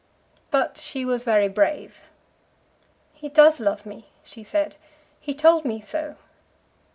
But she was very brave. "He does love me," she said. "He told me so."